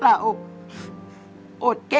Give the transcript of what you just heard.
รายการต่อไปนี้เป็นรายการทั่วไปสามารถรับชมได้ทุกวัย